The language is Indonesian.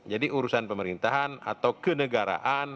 jadi urusan pemerintahan atau kenegaraan